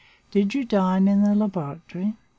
Did you dine in the laboratory?